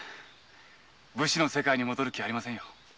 武士の世界に戻る気はありませんよ。